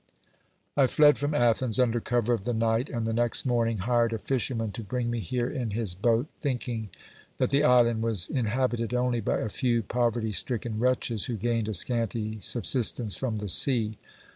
"I fled from Athens under cover of the night and the next morning hired a fisherman to bring me here in his boat, thinking that the island was inhabited only by a few poverty stricken wretches who gained a scanty subsistence from the sea.